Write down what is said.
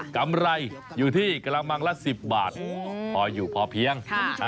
กำไรอยู่ที่กระมังละ๑๐บาทพออยู่พอเพียง